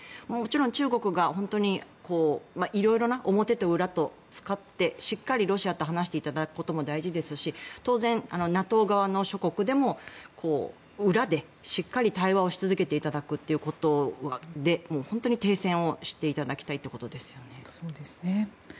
もちろん中国が本当に色々な、表と裏とを使ってしっかりロシアと話していただくことも大事ですし当然ＮＡＴＯ側の諸国でも裏でしっかり対話をし続けていただくということで本当に停戦をしていただきたいということですよね。